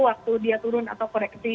waktu dia turun atau koreksi